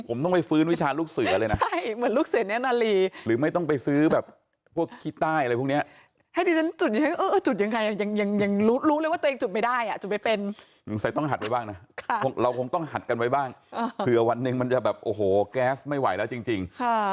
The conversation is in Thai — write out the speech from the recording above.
ผมต้องไปฟื้นวิชาลูกเสือเลยนะเราคงวันนึงมันจะแบบโอโหแก๊สไม่ไหวแล้วจริง